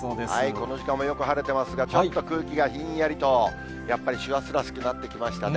この時間もよく晴れていますが、ちょっと空気がひんやりと、やっぱり師走らしくなってきましたね。